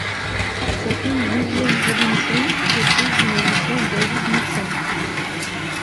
Sa fille Vivienne Robinson fut l'épouse du magicien David Nixon.